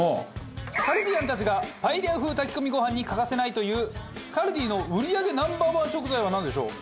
カルディアンたちがパエリア風炊き込みご飯に欠かせないというＫＡＬＤＩの売り上げＮｏ．１食材はなんでしょう？